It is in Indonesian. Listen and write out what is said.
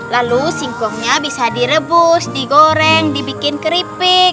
lalu singkongnya bisa direbus digoreng dibikin keripik